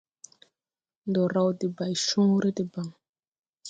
Ndɔ raw debaycõõre debaŋ.